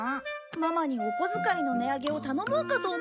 ママにおこづかいの値上げを頼もうかと思うんだよ。